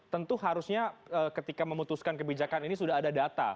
tentu harusnya ketika memutuskan kebijakan ini sudah ada data